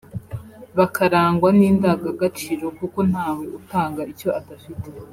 bakarangwa n’indangagaciro kuko ntawe utanga icyo adafite